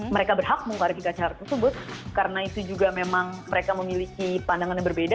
mereka berhak mengklarifikasi acara tersebut karena itu juga memang mereka memiliki pandangan yang berbeda